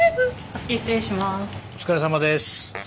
お疲れさまです。